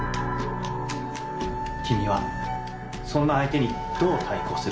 君はそんな相手にどう対抗する？